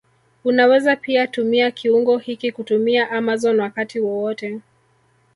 Unaweza pia tumia kiungo hiki kutumia Amazon wakati wowote